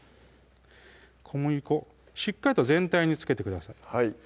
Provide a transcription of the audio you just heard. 小麦粉しっかりと全体に付けてください